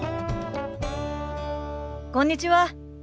こんにちは。